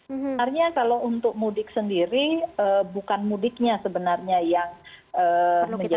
sebenarnya kalau untuk mudik sendiri bukan mudiknya sebenarnya yang menjadi